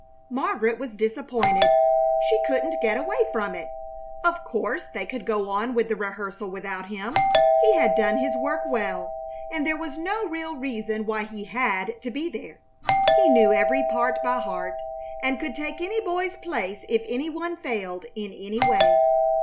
Margaret was disappointed. She couldn't get away from it. Of course they could go on with the rehearsal without him. He had done his work well, and there was no real reason why he had to be there. He knew every part by heart, and could take any boy's place if any one failed in any way.